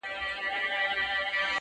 ای د اسلام لباس کي پټ یهوده,